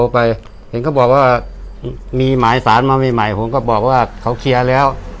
ผมก็บอกว่าเขาเคลียร์แล้ว